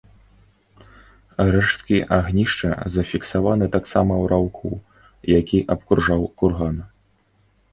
Рэшткі агнішча зафіксаваны таксама ў раўку, які абкружаў курган.